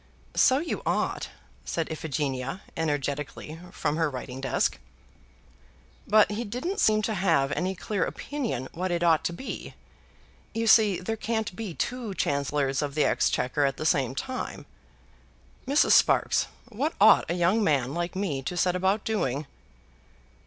"So you ought," said Iphigenia energetically from her writing desk. "But he didn't seem to have any clear opinion what it ought to be. You see there can't be two Chancellors of the Exchequer at the same time. Mrs. Sparkes, what ought a young man like me to set about doing?"